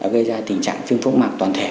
gây ra tình trạng phương phúc mạc toàn thể